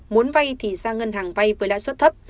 muốn vay thì ra ngân hàng vay với lãi suất thấp